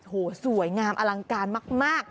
โอ้โหสวยงามอลังการมาก